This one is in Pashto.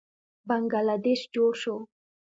بنګله دیش جوړ شو.